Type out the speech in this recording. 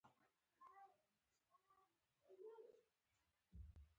لوحه باید د شخړې ځمکه ښودلې وي.